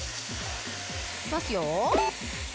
いきますよ。